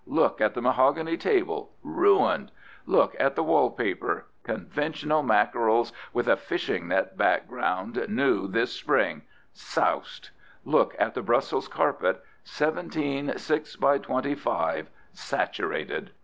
Look at the mahogany table ruined; look at the wall paper conventional mackerels with a fishing net background, new this spring soused; look at the Brussels carpet, seventeen six by twenty five saturated!"